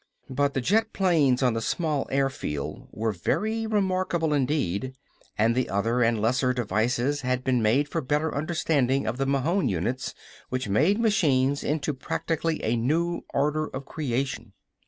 But the jet planes on the small airfield were very remarkable indeed, and the other and lesser devices had been made for better understanding of the Mahon units which made machines into practically a new order of creation.